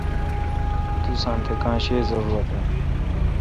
توساں تہ کاں شیہ زاروت این۔